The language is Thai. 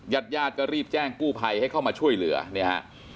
ญาติญาติก็รีบแจ้งกู้ภัยให้เข้ามาช่วยเหลือเนี่ยฮะ